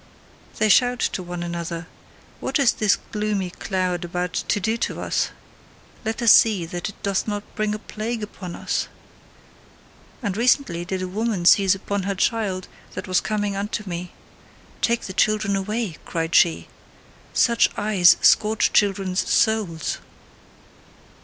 They shout to one another: "What is this gloomy cloud about to do to us? Let us see that it doth not bring a plague upon us!" And recently did a woman seize upon her child that was coming unto me: "Take the children away," cried she, "such eyes scorch children's souls."